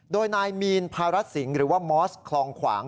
โดยนายมีนภารัสสิงห์หรือว่ามอสคลองขวาง